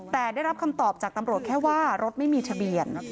แต่ได้รับคำตอบจากตำรวจแค่ว่ารถไม่มีทะเบียน